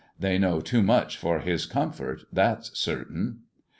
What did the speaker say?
They know too much for his comfort, that's certain."